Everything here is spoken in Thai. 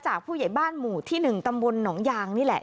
ผู้ใหญ่บ้านหมู่ที่๑ตำบลหนองยางนี่แหละ